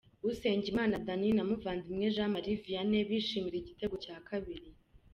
Usengimana Danny na Muvandimwe Jean Marie Vianney bishimira igitego cya kabiri.